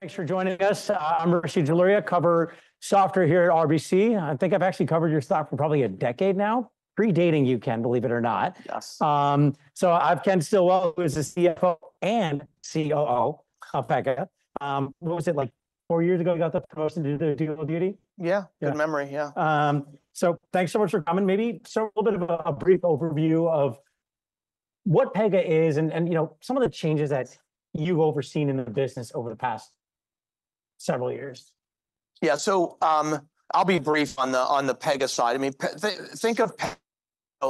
Thanks for joining us. I'm Rishi Jaluria, cover software here at RBC. I think I've actually covered your stuff for probably a decade now, predating you, Ken, believe it or not. Yes. So Ken Stillwell, who is the CFO and COO of Pega. What was it, like four years ago, you got the promotion to do the dual duty? Yeah, good memory. Yeah. Thanks so much for coming. Maybe so a little bit of a brief overview of what Pega is and some of the changes that you've overseen in the business over the past several years. Yeah, so I'll be brief on the Pega side. I mean, think of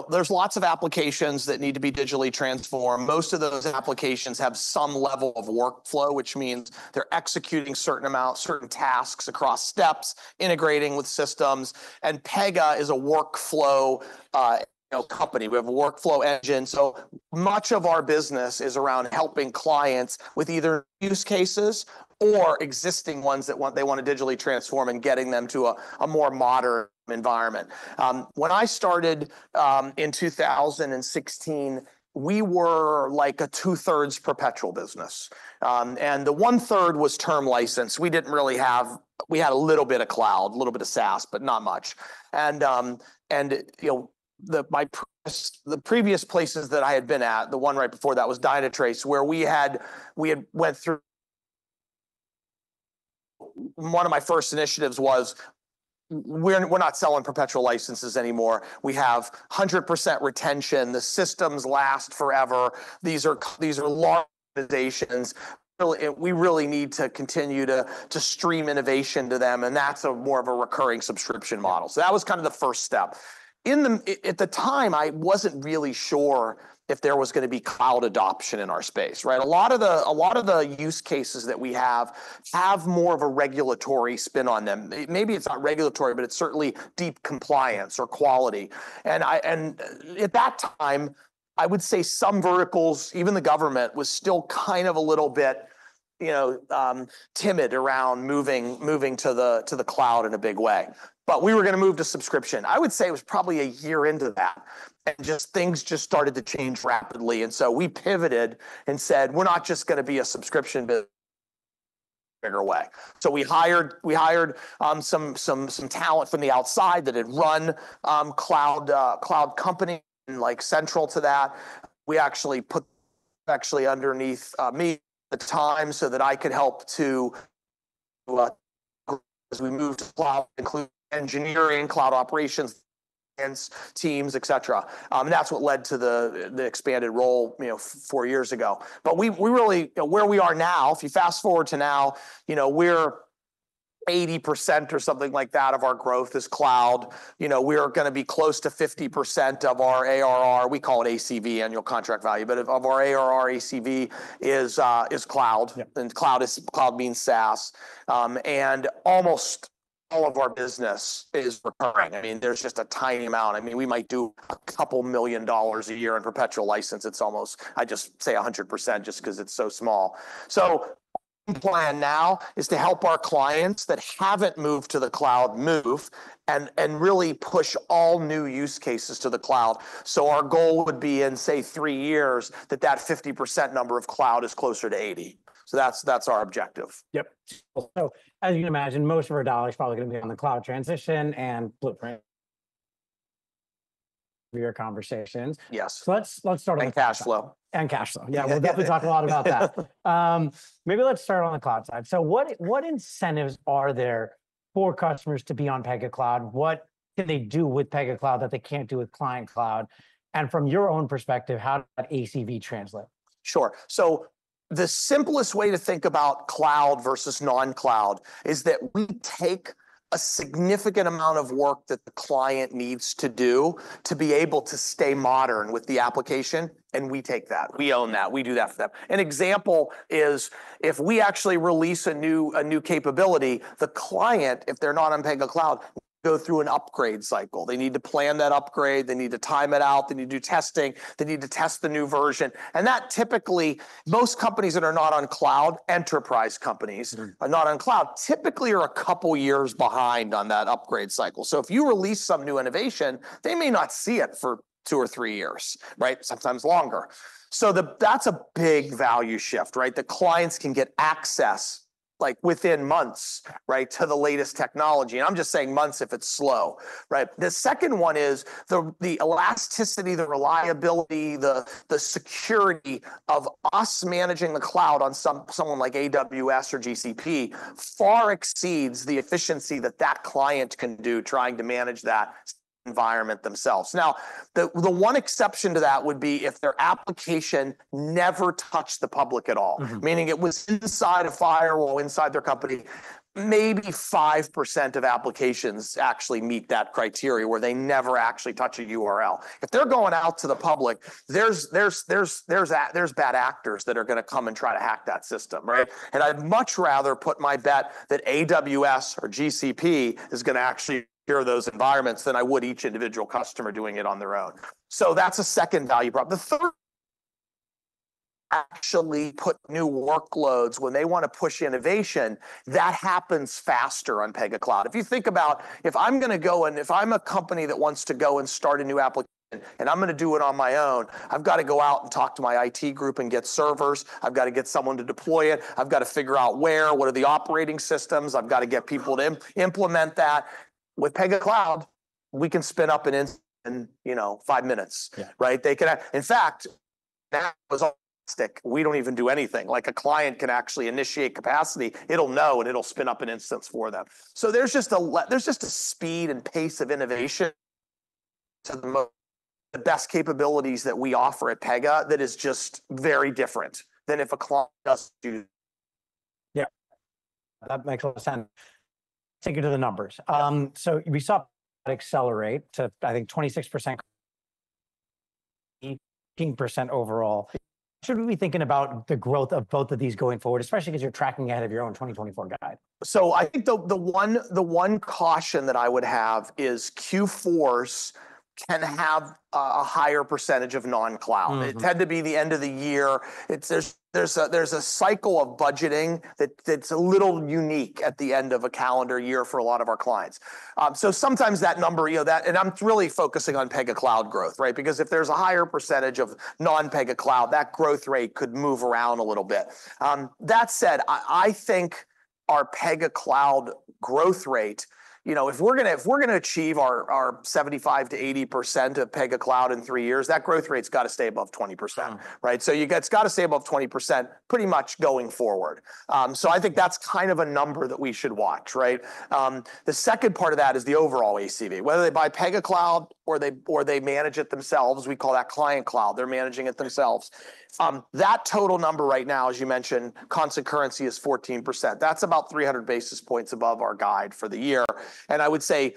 there's lots of applications that need to be digitally transformed. Most of those applications have some level of workflow, which means they're executing certain amounts, certain tasks across steps, integrating with systems. And Pega is a workflow company. We have a workflow engine. So much of our business is around helping clients with either use cases or existing ones that they want to digitally transform and getting them to a more modern environment. When I started in 2016, we were like a two-thirds perpetual business. And the one-third was term licensed. We didn't really have a little bit of cloud, a little bit of SaaS, but not much. My previous places that I had been at, the one right before that was Dynatrace, where we had went through one of my first initiatives: we're not selling perpetual licenses anymore. We have 100% retention. The systems last forever. These are large organizations. We really need to continue to stream innovation to them, and that's more of a recurring subscription model. So that was kind of the first step. At the time, I wasn't really sure if there was going to be cloud adoption in our space. A lot of the use cases that we have have more of a regulatory spin on them. Maybe it's not regulatory, but it's certainly deep compliance or quality, and at that time, I would say some verticals, even the government, was still kind of a little bit timid around moving to the cloud in a big way. But we were going to move to subscription. I would say it was probably a year into that. And just things started to change rapidly. And so we pivoted and said, we're not just going to be a subscription business in a bigger way. So we hired some talent from the outside that had run cloud companies like central to that. We actually put underneath me at the time so that I could help to as we moved to cloud, including engineering, cloud operations, teams, et cetera. And that's what led to the expanded role four years ago. But we're really where we are now, if you fast forward to now, we're 80% or something like that of our growth is cloud. We are going to be close to 50% of our ARR. We call it ACV, annual contract value. But of our ARR, ACV is cloud. Cloud means SaaS. Almost all of our business is recurring. I mean, there's just a tiny amount. I mean, we might do $2 million a year in perpetual license. It's almost. I just say 100% just because it's so small. So our plan now is to help our clients that haven't moved to the cloud move and really push all new use cases to the cloud. Our goal would be in, say, three years that 50% number of cloud is closer to 80%. That's our objective. Yep. So as you can imagine, most of our dollars is probably going to be on the cloud transition and Blueprint for your conversations. Yes. Let's start with. Cash flow. And cash flow. Yeah, we'll definitely talk a lot about that. Maybe let's start on the cloud side. So what incentives are there for customers to be on Pega Cloud? What can they do with Pega Cloud that they can't do with Client Cloud? And from your own perspective, how does ACV translate? Sure. So the simplest way to think about cloud versus non-cloud is that we take a significant amount of work that the client needs to do to be able to stay modern with the application. And we take that. We own that. We do that for them. An example is if we actually release a new capability, the client, if they're not on Pega Cloud, go through an upgrade cycle. They need to plan that upgrade. They need to time it out. They need to do testing. They need to test the new version. And that typically most companies that are not on cloud, enterprise companies are not on cloud, typically are a couple years behind on that upgrade cycle. So if you release some new innovation, they may not see it for two or three years, sometimes longer. So that's a big value shift. The clients can get access within months to the latest technology. I'm just saying months if it's slow. The second one is the elasticity, the reliability, the security of us managing the cloud on someone like AWS or GCP far exceeds the efficiency that that client can do trying to manage that environment themselves. Now, the one exception to that would be if their application never touched the public at all, meaning it was inside a firewall inside their company. Maybe 5% of applications actually meet that criteria where they never actually touch a URL. If they're going out to the public, there's bad actors that are going to come and try to hack that system. I'd much rather put my bet that AWS or GCP is going to actually secure those environments than I would each individual customer doing it on their own. So that's a second value prop. The third actually put new workloads when they want to push innovation. That happens faster on Pega Cloud. If you think about if I'm going to go and if I'm a company that wants to go and start a new application and I'm going to do it on my own, I've got to go out and talk to my IT group and get servers. I've got to get someone to deploy it. I've got to figure out where, what are the operating systems. I've got to get people to implement that. With Pega Cloud, we can spin up an instance in five minutes. In fact, now it's all elastic. We don't even do anything. Like a client can actually initiate capacity. It'll know and it'll spin up an instance for them. So there's just a speed and pace of innovation to the best capabilities that we offer at Pega that is just very different than if a client does. Yeah. That makes a lot of sense. Take it to the numbers. So we saw accelerate to, I think, 26%, 18% overall. Should we be thinking about the growth of both of these going forward, especially because you're tracking ahead of your own 2024 guide? So I think the one caution that I would have is Q4s can have a higher percentage of non-cloud. It tends to be the end of the year. There's a cycle of budgeting that's a little unique at the end of a calendar year for a lot of our clients. So sometimes that number, and I'm really focusing on Pega Cloud growth, because if there's a higher percentage of non-Pega Cloud, that growth rate could move around a little bit. That said, I think our Pega Cloud growth rate, if we're going to achieve our 75%-80% of Pega Cloud in three years, that growth rate's got to stay above 20%. So it's got to stay above 20% pretty much going forward. So I think that's kind of a number that we should watch. The second part of that is the overall ACV. Whether they buy Pega Cloud or they manage it themselves, we call that Client Cloud. They're managing it themselves. That total number right now, as you mentioned, constant currency is 14%. That's about 300 basis points above our guide for the year. And I would say,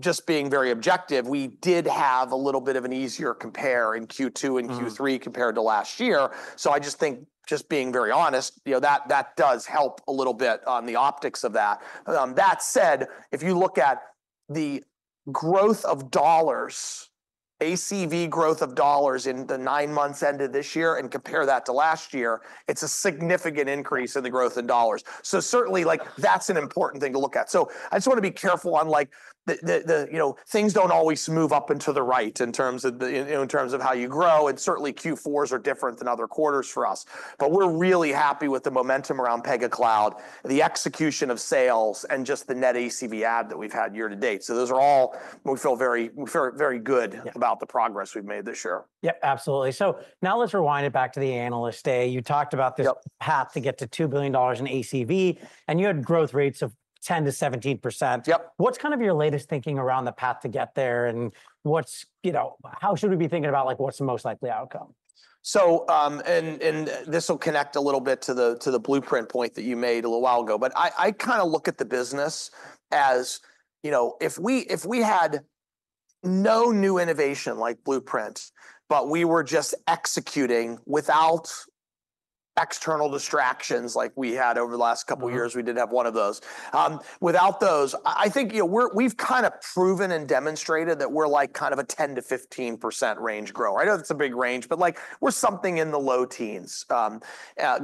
just being very objective, we did have a little bit of an easier compare in Q2 and Q3 compared to last year. So I just think, just being very honest, that does help a little bit on the optics of that. That said, if you look at the growth of dollars, ACV growth of dollars in the nine months end of this year and compare that to last year, it's a significant increase in the growth in dollars. So certainly, that's an important thing to look at. So I just want to be careful on things don't always move up and to the right in terms of how you grow. And certainly, Q4s are different than other quarters for us. But we're really happy with the momentum around Pega Cloud, the execution of sales, and just the net ACV add that we've had year to date. So those are all we feel very good about the progress we've made this year. Yeah, absolutely. So now let's rewind it back to the analyst day. You talked about Yep this path to get to $2 billion in ACV. And you had growth rates of 10%-17%. Yep What's kind of your latest thinking around the path to get there? And how should we be thinking about what's the most likely outcome? And this will connect a little bit to the Blueprint point that you made a little while ago. But I kind of look at the business as if we had no new innovation like Blueprint, but we were just executing without external distractions like we had over the last couple of years. We did have one of those. Without those, I think we've kind of proven and demonstrated that we're like kind of a 10%-15% range grower. I know that's a big range, but we're something in the low teens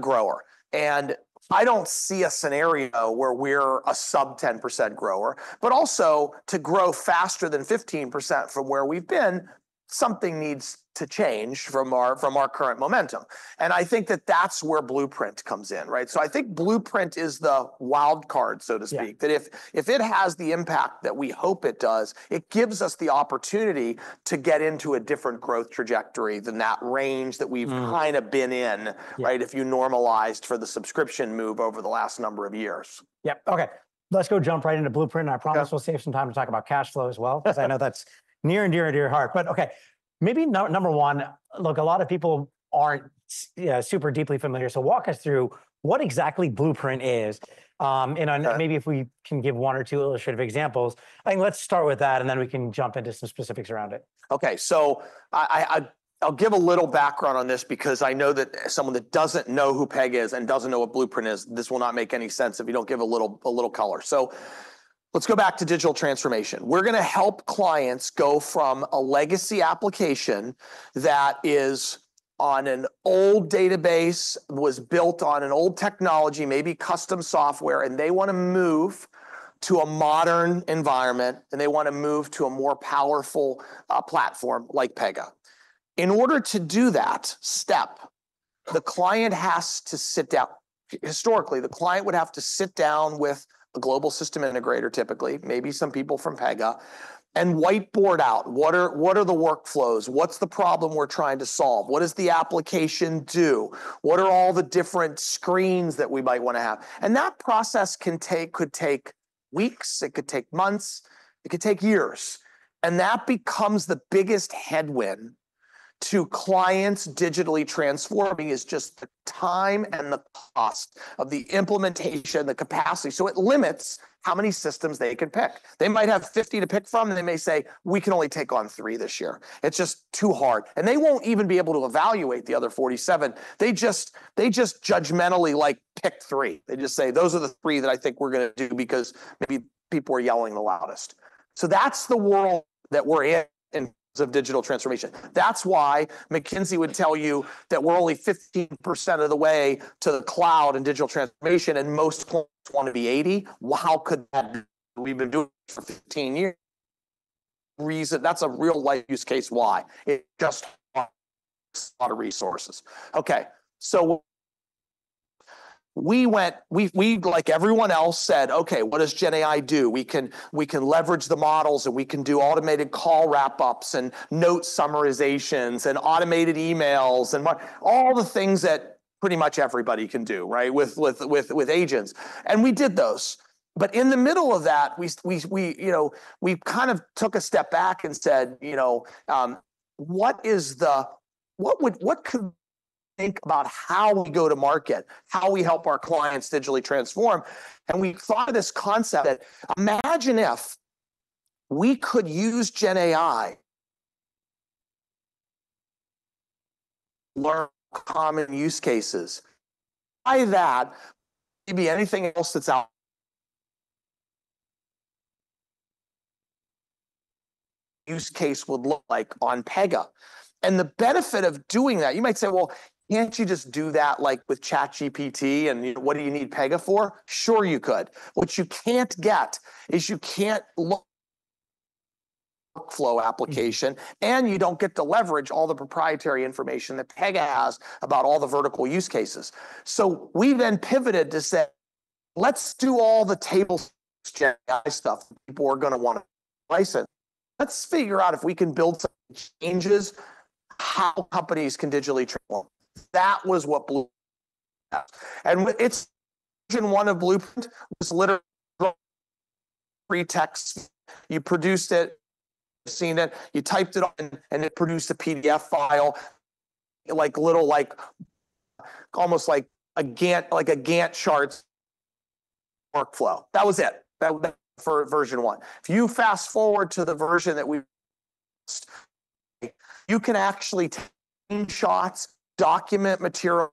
grower. And I don't see a scenario where we're a sub-10% grower. But also, to grow faster than 15% from where we've been, something needs to change from our current momentum. And I think that that's where Blueprint comes in. So I think Blueprint is the wild card, so to speak. That if it has the impact that we hope it does, it gives us the opportunity to get into a different growth trajectory than that range that we've kind of been in if you normalized for the subscription move over the last number of years. Yep. Okay. Let's go jump right into Blueprint. And I promise we'll save some time to talk about cash flow as well because I know that's near and dear to your heart. But okay, maybe number one, look, a lot of people aren't super deeply familiar. So walk us through what exactly Blueprint is. And maybe if we can give one or two illustrative examples. I think let's start with that, and then we can jump into some specifics around it. Okay. So I'll give a little background on this because I know that someone that doesn't know who Pega is and doesn't know what Blueprint is, this will not make any sense if you don't give a little color. So let's go back to digital transformation. We're going to help clients go from a legacy application that is on an old database, was built on an old technology, maybe custom software, and they want to move to a modern environment, and they want to move to a more powerful platform like Pega. In order to do that step, the client has to sit down. Historically, the client would have to sit down with a global system integrator, typically, maybe some people from Pega, and whiteboard out what are the workflows, what's the problem we're trying to solve, what does the application do, what are all the different screens that we might want to have. And that process could take weeks. It could take months. It could take years. And that becomes the biggest headwind to clients digitally transforming is just the time and the cost of the implementation, the capacity. So it limits how many systems they can pick. They might have 50 to pick from, and they may say, "We can only take on three this year. It's just too hard." And they won't even be able to evaluate the other 47. They just judgmentally pick three. They just say, "Those are the three that I think we're going to do because maybe people are yelling the loudest." So that's the world that we're in in terms of digital transformation. That's why McKinsey would tell you that we're only 15% of the way to the cloud and digital transformation, and most clients want to be 80%. How could that be? We've been doing it for 15 years. That's a real-life use case why. It just takes a lot of resources. Okay. So we went, like everyone else said, "Okay, what does GenAI do? We can leverage the models, and we can do automated call wrap-ups and note summarizations and automated emails and all the things that pretty much everybody can do with agents." And we did those. But in the middle of that, we kind of took a step back and said, "What could we think about how we go to market, how we help our clients digitally transform?" And we thought of this concept that imagine if we could use GenAI, learn common use cases. Try that. Maybe anything else that's out. Use case would look like on Pega. And the benefit of doing that, you might say, "Well, can't you just do that with ChatGPT? And what do you need Pega for?" Sure, you could. What you can't get is you can't load a workflow application, and you don't get to leverage all the proprietary information that Pega has about all the vertical use cases. So we then pivoted to say, "Let's do all the GenAI stuff. People are going to want to license. Let's figure out if we can build some changes how companies can digitally transform." That was what Blueprint was, and version one of Blueprint was literally free text. You produced it, you've seen it, you typed it on, and it produced a PDF file, almost like a Gantt chart workflow. That was it for version one. If you fast forward to the version that we've just seen, you can actually take screenshots, document material.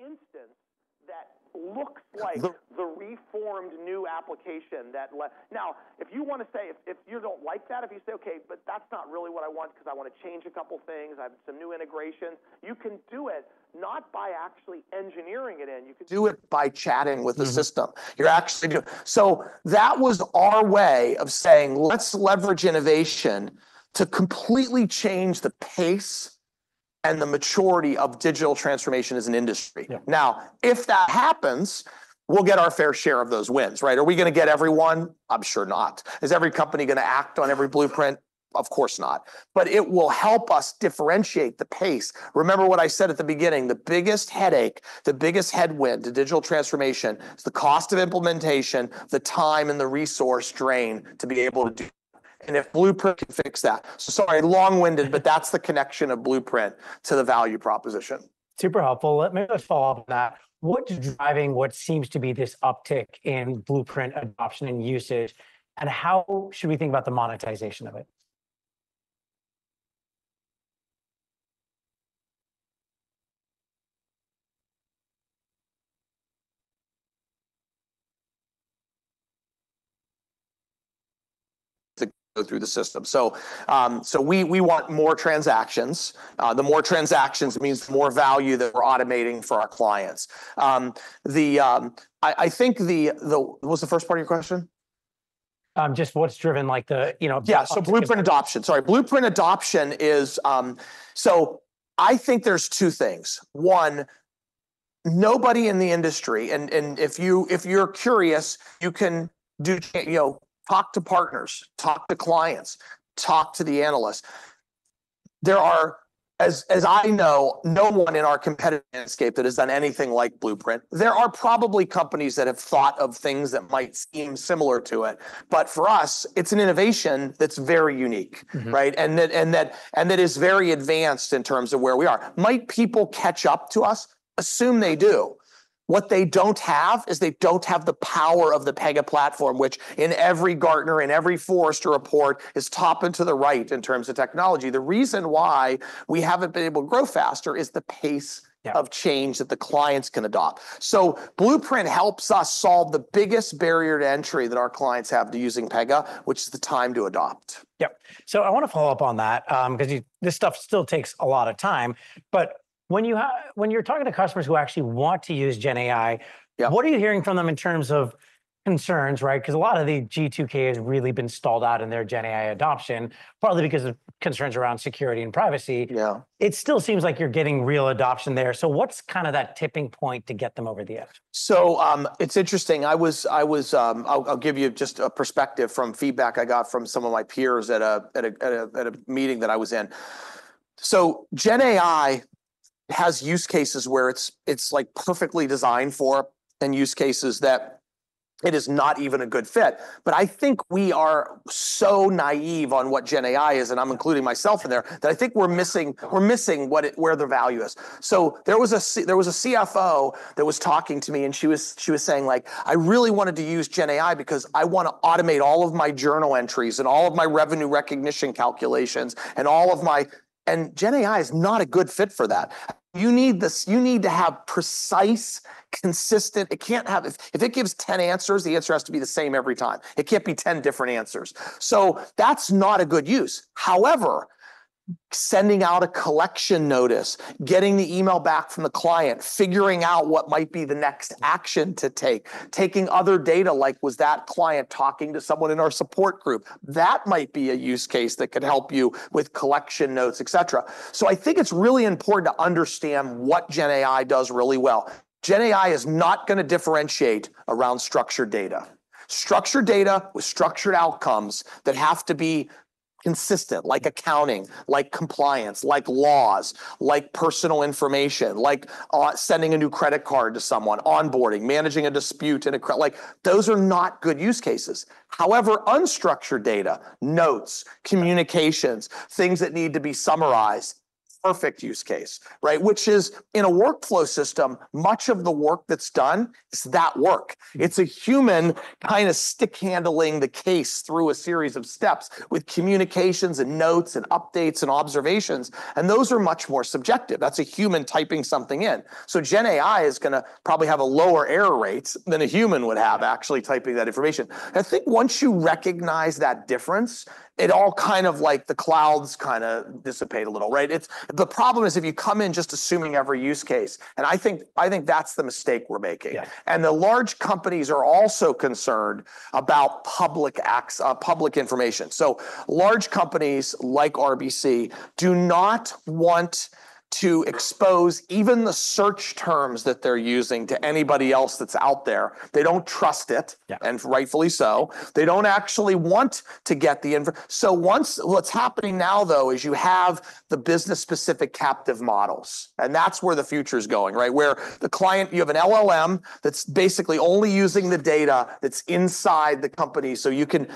An instance that looks like the reformed new application that now, if you want to say, if you don't like that, if you say, "Okay, but that's not really what I want because I want to change a couple of things. I have some new integrations," you can do it not by actually engineering it in. You can do it by chatting with the system. That was our way of saying, "Let's leverage innovation to completely change the pace and the maturity of digital transformation as an industry." Now, if that happens, we'll get our fair share of those wins. Are we going to get everyone? I'm sure not. Is every company going to act on every Blueprint? Of course not. But it will help us differentiate the pace. Remember what I said at the beginning, the biggest headache, the biggest headwind to digital transformation is the cost of implementation, the time and the resource drain to be able to do, and if Blueprint can fix that, so sorry, long-winded, but that's the connection of Blueprint to the value proposition. Super helpful. Let me just follow up on that. What's driving what seems to be this uptick in Blueprint adoption and usage, and how should we think about the monetization of it? To go through the system. So we want more transactions. The more transactions means the more value that we're automating for our clients. I think, what was the first part of your question? Just what's driven the. Yeah. So Blueprint adoption. Sorry. Blueprint adoption is, so I think there's two things. One, nobody in the industry, and if you're curious, you can talk to partners, talk to clients, talk to the analysts. There are, as I know, no one in our competitive landscape that has done anything like Blueprint. There are probably companies that have thought of things that might seem similar to it. But for us, it's an innovation that's very unique and that is very advanced in terms of where we are. Might people catch up to us? Assume they do. What they don't have is they don't have the power of the Pega Platform, which in every Gartner, in every Forrester report, is topped into the right in terms of technology. The reason why we haven't been able to grow faster is the pace of change that the clients can adopt. So Blueprint helps us solve the biggest barrier to entry that our clients have to using Pega, which is the time to adopt. Yep. So I want to follow up on that because this stuff still takes a lot of time. But when you're talking to customers who actually want to use GenAI, what are you hearing from them in terms of concerns? Because a lot of the G2K has really been stalled out in their GenAI adoption, probably because of concerns around security and privacy. It still seems like you're getting real adoption there. So what's kind of that tipping point to get them over the edge? It's interesting. I'll give you just a perspective from feedback I got from some of my peers at a meeting that I was in. GenAI has use cases where it's perfectly designed for and use cases that it is not even a good fit. I think we are so naive on what GenAI is, and I'm including myself in there, that I think we're missing where the value is. There was a CFO that was talking to me, and she was saying, "I really wanted to use GenAI because I want to automate all of my journal entries and all of my revenue recognition calculations and all of my," and GenAI is not a good fit for that. You need to have precise, consistent if it gives 10 answers, the answer has to be the same every time. It can't be 10 different answers. So that's not a good use. However, sending out a collection notice, getting the email back from the client, figuring out what might be the next action to take, taking other data, like was that client talking to someone in our support group? That might be a use case that could help you with collection notes, etc. So I think it's really important to understand what GenAI does really well. GenAI is not going to differentiate around structured data. Structured data with structured outcomes that have to be consistent, like accounting, like compliance, like laws, like personal information, like sending a new credit card to someone, onboarding, managing a dispute. Those are not good use cases. However, unstructured data, notes, communications, things that need to be summarized, perfect use case, which is in a workflow system, much of the work that's done is that work. It's a human kind of stickhandling the case through a series of steps with communications and notes and updates and observations. And those are much more subjective. That's a human typing something in. So GenAI is going to probably have a lower error rate than a human would have actually typing that information. I think once you recognize that difference, it all kind of like the clouds kind of dissipate a little. The problem is if you come in just assuming every use case. And I think that's the mistake we're making. And the large companies are also concerned about public information. So large companies like RBC do not want to expose even the search terms that they're using to anybody else that's out there. They don't trust it, and rightfully so. They don't actually want to get the info. So, what's happening now, though, is you have the business-specific captive models. And that's where the future is going, where the client, you have an LLM that's basically only using the data that's inside the company. So you can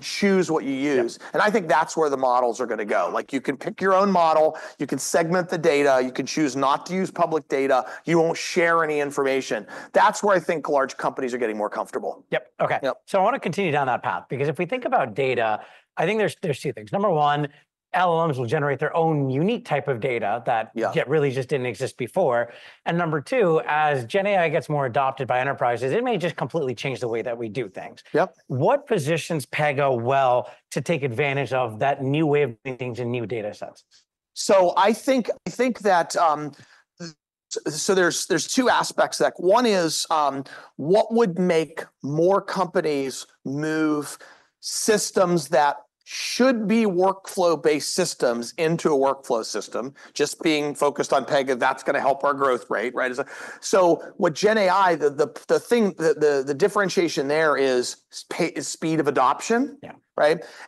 choose what you use. And I think that's where the models are going to go. You can pick your own model. You can segment the data. You can choose not to use public data. You won't share any information. That's where I think large companies are getting more comfortable. Yep. Okay. So I want to continue down that path because if we think about data, I think there's two things. Number one, LLMs will generate their own unique type of data that really just didn't exist before. And number two, as GenAI gets more adopted by enterprises, it may just completely change the way that we do things. What positions Pega well to take advantage of that new way of doing things and new data sets? So I think that there's two aspects. One is what would make more companies move systems that should be workflow-based systems into a workflow system? Just being focused on Pega, that's going to help our growth rate. So with GenAI, the differentiation there is speed of adoption.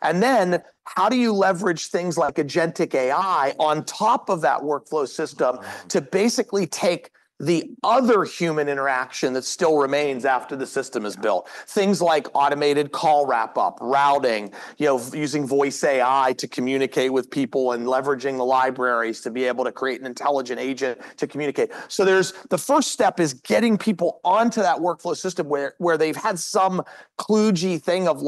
And then how do you leverage things like agentic AI on top of that workflow system to basically take the other human interaction that still remains after the system is built? Things like automated call wrap-up, routing, using voice AI to communicate with people, and leveraging the libraries to be able to create an intelligent agent to communicate. So the first step is getting people onto that workflow system where they've had some kludgy thing of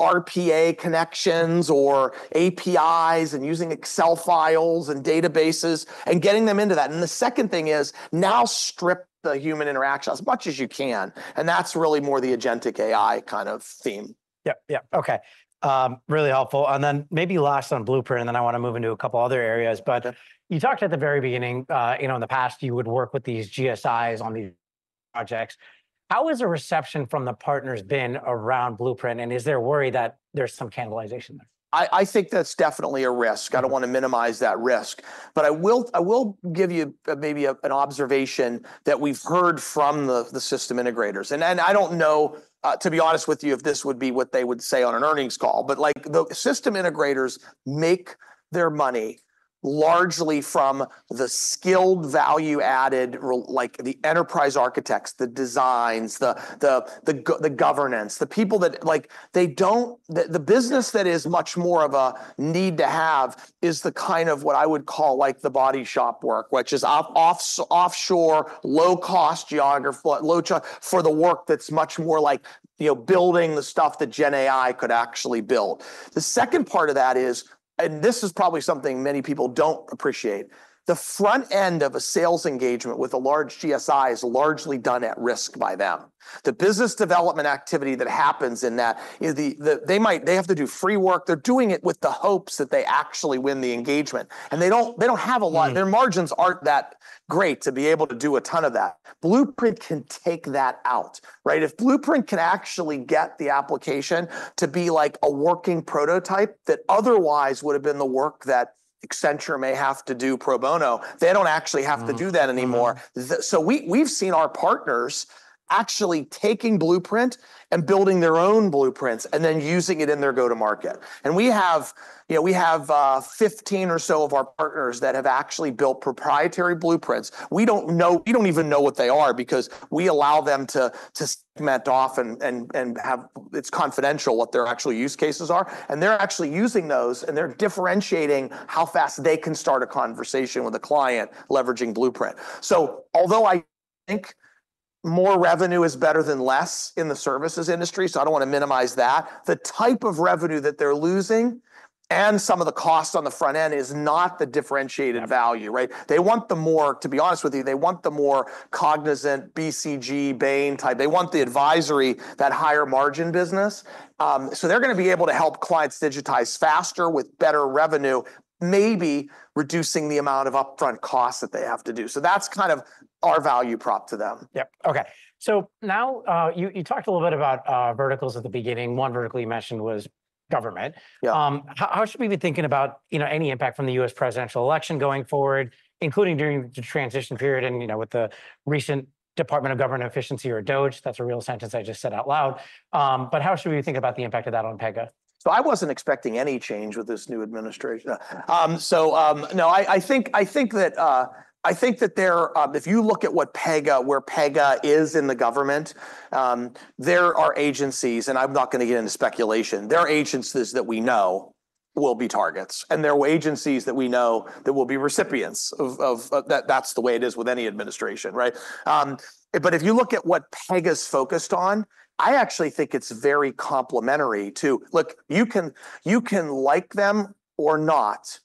RPA connections or APIs and using Excel files and databases and getting them into that. And the second thing is now strip the human interaction as much as you can. And that's really more the Agentic AI kind of theme. Yep. Yep. Okay. Really helpful, and then maybe last on Blueprint, and then I want to move into a couple of other areas, but you talked at the very beginning in the past, you would work with these GSIs on these projects. How has the reception from the partners been around Blueprint, and is there worry that there's some cannibalization there? I think that's definitely a risk. I don't want to minimize that risk. But I will give you maybe an observation that we've heard from the system integrators. And I don't know, to be honest with you, if this would be what they would say on an earnings call. But the system integrators make their money largely from the skilled value-added, like the enterprise architects, the designs, the governance, the people that the business that is much more of a need to have is the kind of what I would call the body shop work, which is offshore, low-cost geography for the work that's much more like building the stuff that GenAI could actually build. The second part of that is, and this is probably something many people don't appreciate, the front end of a sales engagement with a large GSI is largely done at risk by them. The business development activity that happens in that, they have to do free work. They're doing it with the hopes that they actually win the engagement. And they don't have a lot. Their margins aren't that great to be able to do a ton of that. Blueprint can take that out. If Blueprint can actually get the application to be like a working prototype that otherwise would have been the work that Accenture may have to do pro bono, they don't actually have to do that anymore. So we've seen our partners actually taking Blueprint and building their own Blueprints and then using it in their go-to-market. And we have 15 or so of our partners that have actually built proprietary Blueprints. We don't even know what they are because we allow them to segment off and it's confidential what their actual use cases are. And they're actually using those, and they're differentiating how fast they can start a conversation with a client leveraging Blueprint. So although I think more revenue is better than less in the services industry, so I don't want to minimize that, the type of revenue that they're losing and some of the costs on the front end is not the differentiated value. They want the more, to be honest with you, they want the more Cognizant BCG, Bain type. They want the advisory, that higher margin business. So they're going to be able to help clients digitize faster with better revenue, maybe reducing the amount of upfront costs that they have to do. So that's kind of our value prop to them. Yep. Okay. So now you talked a little bit about verticals at the beginning. One vertical you mentioned was government. How should we be thinking about any impact from the U.S. presidential election going forward, including during the transition period and with the recent Department of Government Efficiency or DOGE? That's a real sentence I just said out loud. But how should we think about the impact of that on Pega? So I wasn't expecting any change with this new administration. So no, I think that if you look at where Pega is in the government, there are agencies, and I'm not going to get into speculation. There are agencies that we know will be targets. And there are agencies that we know that will be recipients of that. That's the way it is with any administration. But if you look at what Pega's focused on, I actually think it's very complementary to look, you can like them or not,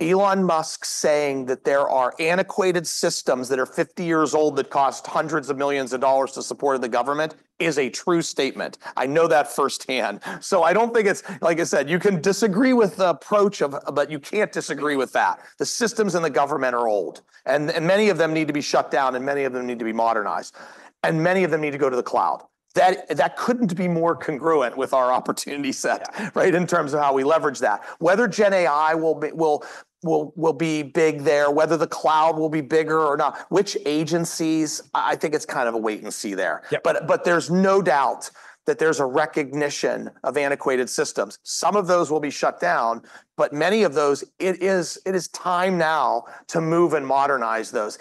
Elon Musk saying that there are antiquated systems that are 50 years old that cost hundreds of millions of dollars to support the government is a true statement. I know that firsthand. So I don't think it's, like I said, you can disagree with the approach, but you can't disagree with that. The systems in the government are old. Many of them need to be shut down, and many of them need to be modernized. Many of them need to go to the cloud. That couldn't be more congruent with our opportunity set in terms of how we leverage that. Whether GenAI will be big there, whether the cloud will be bigger or not, which agencies, I think it's kind of a wait and see there. There's no doubt that there's a recognition of antiquated systems. Some of those will be shut down, but many of those, it is time now to move and modernize those.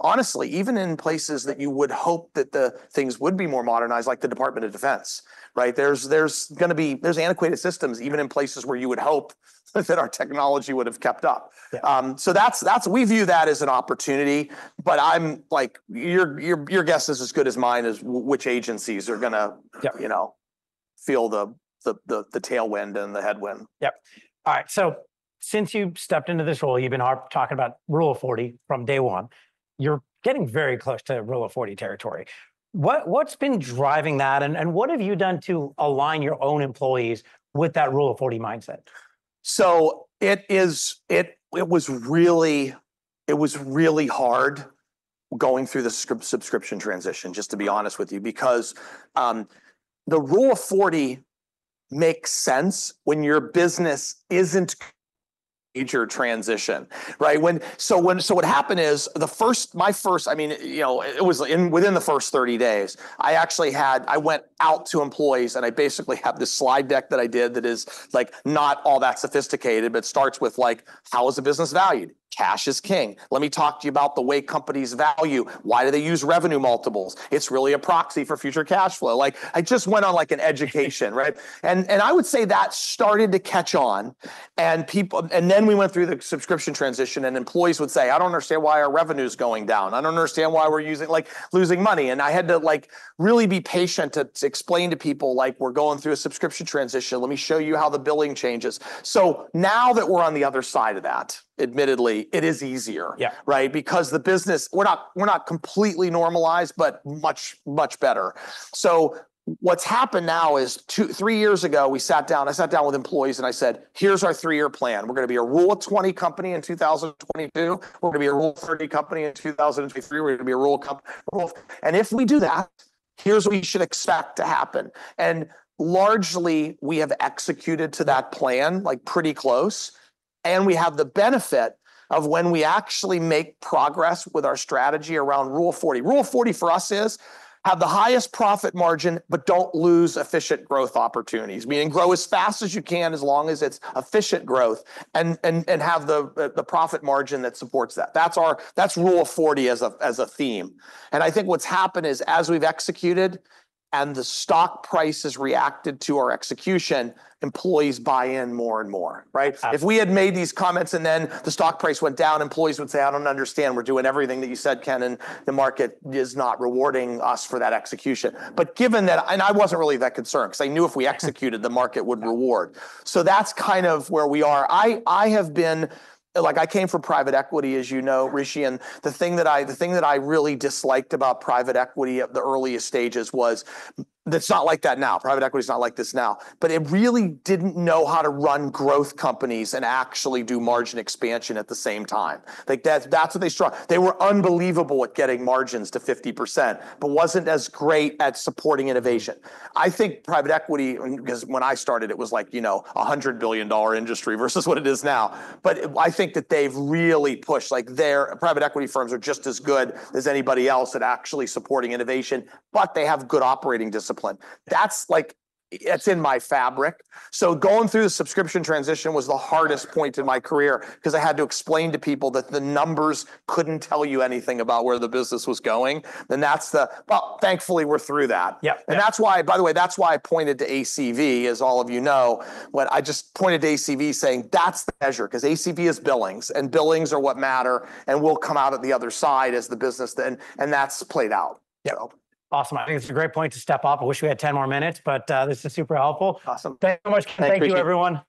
Honestly, even in places that you would hope that the things would be more modernized, like the Department of Defense, there's going to be antiquated systems even in places where you would hope that our technology would have kept up. We view that as an opportunity. But your guess is as good as mine as which agencies are going to feel the tailwind and the headwind. Yep. All right. So since you stepped into this role, you've been talking about Rule of 40 from day one. You're getting very close to Rule of 40 territory. What's been driving that? And what have you done to align your own employees with that Rule of 40 mindset? It was really hard going through the subscription transition, just to be honest with you, because the Rule of 40 makes sense when your business isn't major transition. What happened is my first, I mean, it was within the first 30 days. I went out to employees, and I basically have this slide deck that I did that is not all that sophisticated, but it starts with like, how is the business valued? Cash is king. Let me talk to you about the way companies value. Why do they use revenue multiples? It's really a proxy for future cash flow. I just went on like an education. I would say that started to catch on. Then we went through the subscription transition, and employees would say, "I don't understand why our revenue is going down. I don't understand why we're losing money." And I had to really be patient to explain to people, "We're going through a subscription transition. Let me show you how the billing changes." So now that we're on the other side of that, admittedly, it is easier because the business, we're not completely normalized, but much better. So what's happened now is three years ago, I sat down with employees and I said, "Here's our three-year plan. We're going to be a Rule of 20 company in 2022. We're going to be a Rule of 30 company in 2023. We're going to be a Rule of... And if we do that, here's what you should expect to happen." And largely, we have executed to that plan pretty close. And we have the benefit of when we actually make progress with our strategy around Rule of 40. Rule of 40 for us is have the highest profit margin, but don't lose efficient growth opportunities. Meaning grow as fast as you can as long as it's efficient growth and have the profit margin that supports that. That's Rule of 40 as a theme, and I think what's happened is as we've executed and the stock price has reacted to our execution, employees buy in more and more. If we had made these comments and then the stock price went down, employees would say, "I don't understand. We're doing everything that you said, Ken. And the market is not rewarding us for that execution," and I wasn't really that concerned because I knew if we executed, the market would reward, so that's kind of where we are. I have been like I came from private equity, as you know, Rishi. And the thing that I really disliked about private equity at the earliest stages was that's not like that now. Private equity is not like this now. But it really didn't know how to run growth companies and actually do margin expansion at the same time. That's what they struggled with. They were unbelievable at getting margins to 50%, but wasn't as great at supporting innovation. I think private equity, because when I started, it was like a $100 billion industry versus what it is now. But I think that they've really pushed. Private equity firms are just as good as anybody else at actually supporting innovation, but they have good operating discipline. That's in my fabric. So going through the subscription transition was the hardest point in my career because I had to explain to people that the numbers couldn't tell you anything about where the business was going. And thankfully, we're through that. And that's why, by the way, that's why I pointed to ACV, as all of you know. I just pointed to ACV saying, "That's the measure," because ACV is billings, and billings are what matter. And we'll come out at the other side as the business. And that's played out. Yep. Awesome. I think it's a great point to step off. I wish we had 10 more minutes, but this is super helpful. Awesome. Thank you so much. Thank you, everyone.